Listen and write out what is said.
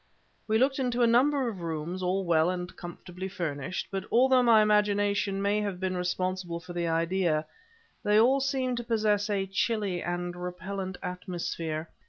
We looked into a number of rooms all well and comfortably furnished, but although my imagination may have been responsible for the idea, they all seemed to possess a chilly and repellent atmosphere.